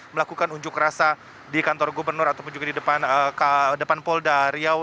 melakukan unjuk rasa di kantor gubernur ataupun juga di depan polda riau